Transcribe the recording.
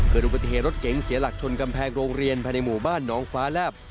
เกิดอุบัติเหตุรถเก๋งเสียหลักชนกำแพงโรงเรียนภายในหมู่บ้านน้องฟ้าแลบ